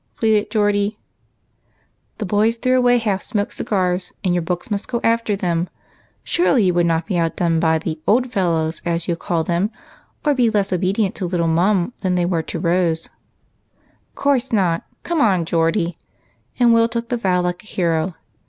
pleaded Geordie. "The boys threw away half smoked cigars; and your books must go after them. Surely you would not be outdone by the ' old fellows,' as you call them, or be less obedient to little Mum than they were to Rose." 202 EIGHT COUSINS. "Course not! Come on, Geordie," and Will tools the vow like a hero.